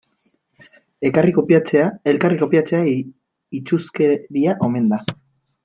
Elkarri kopiatzea itsuskeria omen da.